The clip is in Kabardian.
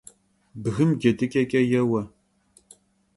Bgım cedıç'eç'e yêue.